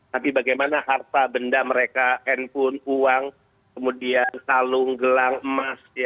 tapi bagaimana harta benda mereka handphone uang kemudian salung gelang emas